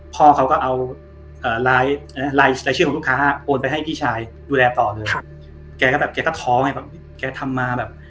พ่อเขาก็เอารายชื่อของลูกค้าโอนไปให้พี่ชายดูแลต่อเลยแกก็แบบแกก็ท้อไงแบบแกทำมาแบบ